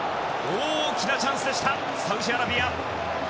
大きなチャンスでしたサウジアラビア。